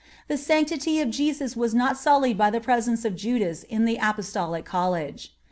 The sanctity of Jesus was not sullied by the presence of Judas in the Apostolic College.